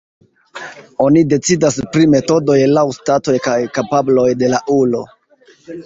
Oni decidas pri metodoj laŭ stato kaj kapabloj de la ulo.